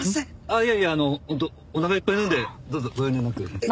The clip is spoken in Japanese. いやいやあの本当おなかいっぱいなのでどうぞご遠慮なく。